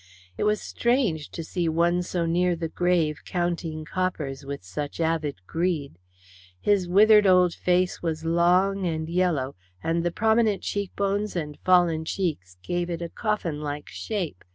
It was strange to see one so near the grave counting coppers with such avid greed. His withered old face was long and yellow, and the prominent cheekbones and fallen cheeks gave it a coffinlike shape.